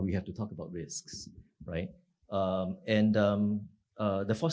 kita harus membicarakan tentang risiko